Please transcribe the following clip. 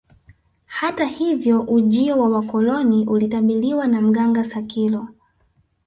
Hata hivyo ujio wa wakoloni ulitabiriwa na mganga Sakilo